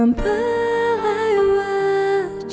kenapa gak ikut gabung